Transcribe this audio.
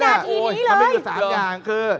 มันมีอยู่๓อย่างคือ